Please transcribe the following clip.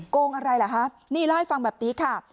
โกงอะไรเหรอฮะนี่อิลาเพิ่งฟังแบบนี้ค่ะ